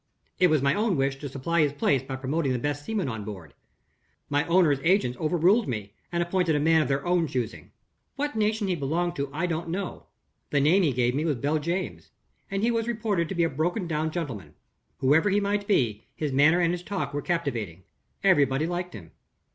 It was my own wish to supply his place by promoting the best seaman on board. My owners' agents overruled me, and appointed a man of their own choosing. "What nation he belonged to I don't know. The name he gave me was Beljames, and he was reported to be a broken down gentleman. Whoever he might be, his manner and his talk were captivating. Everybody liked him.